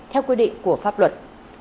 theo quy định của pháp luật